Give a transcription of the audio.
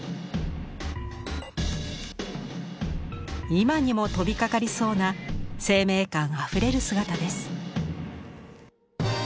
今にも飛びかかりそうな生命感あふれる姿です。